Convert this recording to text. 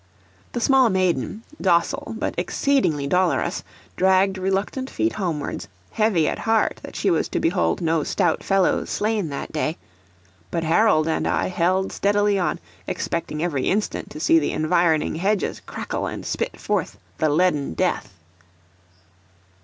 The small maiden, docile but exceedingly dolorous, dragged reluctant feet homewards, heavy at heart that she was to behold no stout fellows slain that day; but Harold and I held steadily on, expecting every instant to see the environing hedges crackle and spit forth the leaden death.